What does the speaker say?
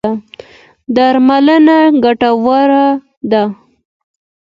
درملنه ګټوره ده.